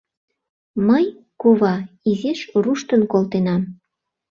Мый, кува, изиш руштын колтенам...